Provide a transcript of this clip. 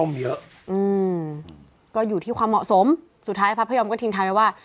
อืมก็อยู่ที่ความเหมาะสมสุดท้ายพระพยอมก็ทิ้งท้ายไว้ว่า